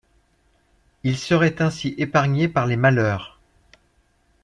Ils seraient ainsi épargnés par les malheurs.